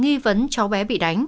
dấu hiệu nghi vấn cháu bé bị đánh